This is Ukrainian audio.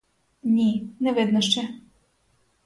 Ні, не видно ще.